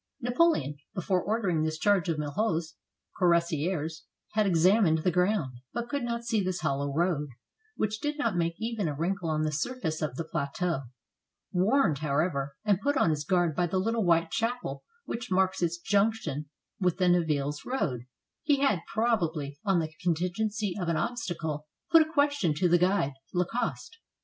Napoleon, before ordering this charge of Milhaud's 370 WATERLOO cuirassiers, had examined the ground, but could not see this hollow road, which did not make even a wrinkle on the surface of the plateau. Warned, however, and put on his guard by the little white chapel which marks its junction with the Nivelles road, he had, probably, on the contingency of an obstacle, put a question to the guide, Lacoste.